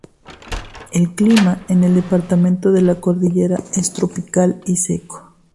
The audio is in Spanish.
El clima en el departamento de la Cordillera es tropical y seco.